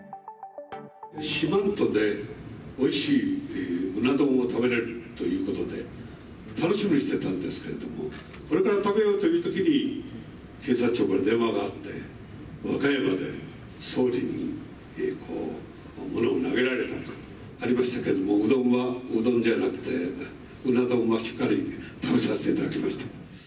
四万十でおいしいうな丼を食べられるということで、楽しみにしてたんですけれども、これから食べようというときに、警察庁から電話があって、和歌山で総理にこう、物を投げられたとありましたけれども、うどんは、うどんじゃなくて、うな丼はしっかり食べさせていただきました。